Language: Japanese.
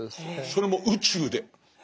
それも宇宙で。